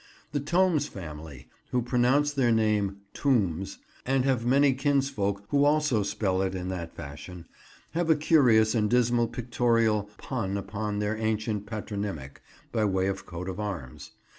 The Tomes family—who pronounce their name "Tombs," and have many kinsfolk who also spell it in that fashion—have a curious and dismal pictorial pun upon their ancient patronymic, by way of coat of arms.